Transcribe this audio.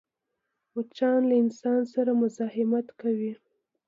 مچان له انسان سره مزاحمت کوي